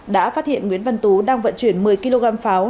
đã phát hiện nguyễn văn tú đang vận chuyển một mươi kg pháo